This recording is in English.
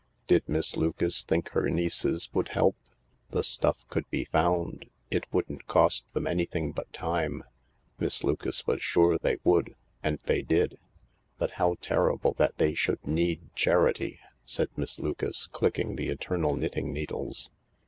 Did Miss Lucas think her 260 THE LARK nieces would help ? The stuff could be found— it wouldn't cost them anything but time . Miss Lucas was sure they would, and they did. " But how terrible that they should need charity/' said Miss Lucas, clicking the eternal knitting needles.